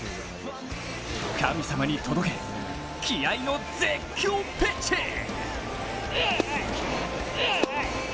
神様に届け、気合いの絶叫ピッチング！